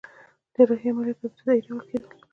جراحي عملیات په ابتدایی ډول کیدل